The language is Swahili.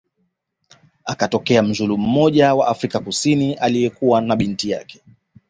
akatokea mzulu mmoja wa Afrika kusini aliyekuwa na binti yake